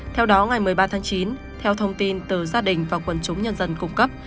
theo đó ngày một mươi ba tháng chín theo thông tin từ gia đình và quần chúng nhân dân cung cấp